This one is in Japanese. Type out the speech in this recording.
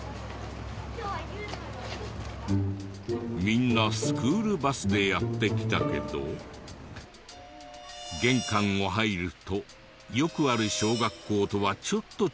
みんなスクールバスでやって来たけど玄関を入るとよくある小学校とはちょっと違うイメージの造り。